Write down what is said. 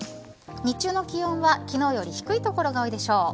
日中の気温は昨日より低い所が多いでしょう。